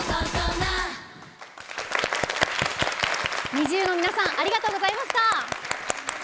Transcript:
ＮｉｚｉＵの皆さんありがとうございました。